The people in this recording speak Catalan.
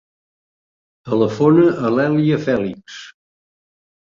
Telefona a l'Èlia Felix.